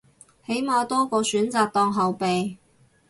起碼多個選擇當後備